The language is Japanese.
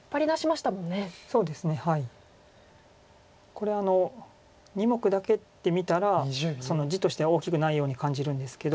これ２目だけで見たら地としては大きくないように感じるんですけど。